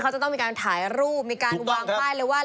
เขาจะต้องมีการถ่ายรูปมีการวางป้ายเลยว่า